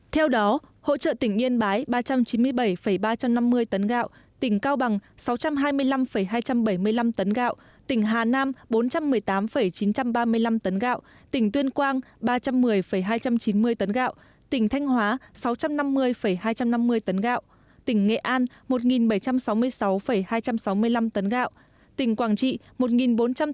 theo đó hỗ trợ tỉnh yên bái ba trăm chín mươi bảy ba trăm năm mươi tấn gạo tỉnh cao bằng sáu trăm hai mươi năm hai trăm bảy mươi năm tấn gạo tỉnh hà nam bốn trăm một mươi tám chín trăm ba mươi năm tấn gạo tỉnh tuyên quang ba trăm một mươi hai trăm chín mươi tấn gạo tỉnh thanh hóa sáu trăm năm mươi hai trăm năm mươi tấn gạo tỉnh nghệ an một bảy trăm sáu mươi sáu hai trăm sáu mươi năm tấn gạo tỉnh quảng trị một bốn trăm tám mươi năm chín trăm chín mươi chín tấn gạo